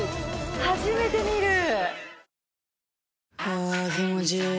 初めて見る。